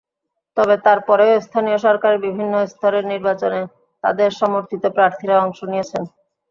তবে তারপরেও স্থানীয় সরকারের বিভিন্ন স্তরের নির্বাচনে তাদের সমর্থিত প্রার্থীরা অংশ নিয়েছেন।